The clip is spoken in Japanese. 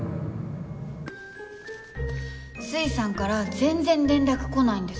粋さんから全然連絡来ないんです。